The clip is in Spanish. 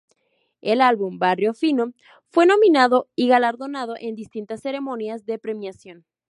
El álbum "Barrio Fino" fue nominado y galardonado en distintas ceremonias de premiación.